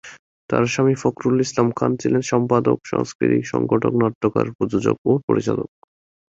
তার স্বামী ফখরুল ইসলাম খান ছিলেন সম্পাদক, সাংস্কৃতিক সংগঠক, নাট্যকার, প্রযোজক ও পরিচালক।